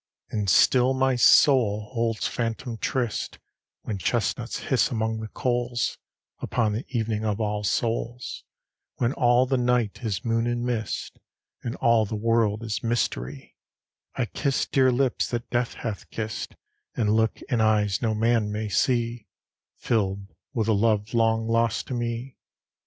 LII And still my soul holds phantom tryst, When chestnuts hiss among the coals, Upon the Evening of All Souls, When all the night is moon and mist, And all the world is mystery; I kiss dear lips that death hath kissed, And look in eyes no man may see, Filled with a love long lost to me.